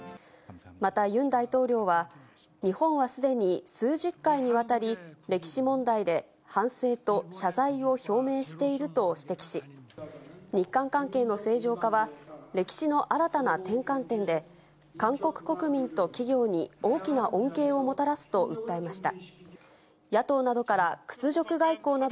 またユン大統領は、日本はすでに数十回にわたり、歴史問題で反省と謝罪を表明していると指摘し、日韓関係の正常化は歴史の新たな転換点で、韓国国民と企業に大きな恩恵をもたらすと訴えました。